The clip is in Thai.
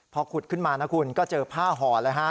พอขุดขึ้นมานะคุณก็เจอผ้าห่อเลยฮะ